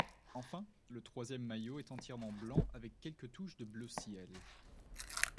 Enfin, le troisième maillot est entièrement blanc avec quelques touches bleu ciel.